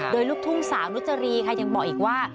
โดยลูกทุ่งสาวนุจรีค่ะยังบอกอีกว่า